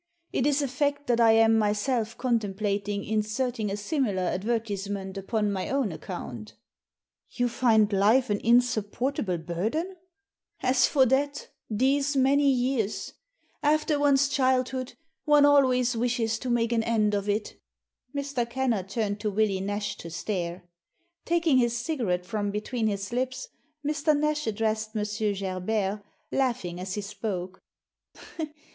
It is a fact that I am myself contemplating inserting a similar advertisement upon my own account" " You find life an insupportable burden ?"" As for that, these many years ! After one's child hood, one always wishes to make an end of it" Mr. Kennard turned to Willie Nash to stare. Taking his cigarette from between his lips Mr. Nash addressed M. Gerbert, laughing as he spoke.